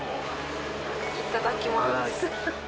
いただきます。